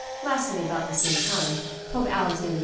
Lastly, about the same time, Pope Alexander VI.